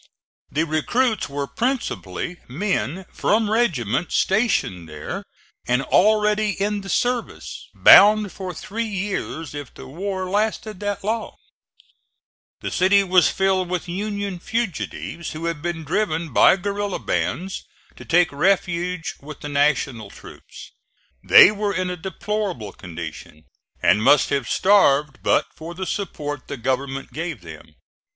The recruits were principally men from regiments stationed there and already in the service, bound for three years if the war lasted that long. The city was filled with Union fugitives who had been driven by guerilla bands to take refuge with the National troops. They were in a deplorable condition and must have starved but for the support the government gave them.